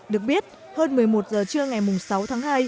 được biết hơn một mươi một giờ trưa ngày sáu tháng hai